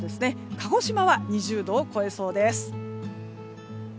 鹿児島は２０度を超えそうです。